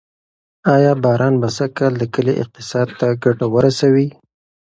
آیا باران به سږکال د کلي اقتصاد ته ګټه ورسوي؟